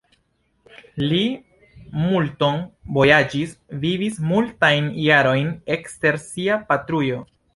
Li multon vojaĝis, vivis multajn jarojn ekster sia patrujo.